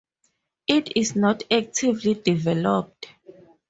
It is not actively developed.